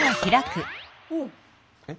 おっ！